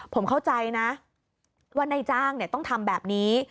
ผมเข้าใจนะว่าในจ้างเนี่ยต้องทำแบบนี้